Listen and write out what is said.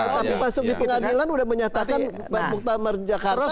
tapi masuk di pengadilan sudah menyatakan pak muktamar jakaros